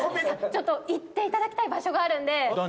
ちょっと行っていただきたい場所があるんで何？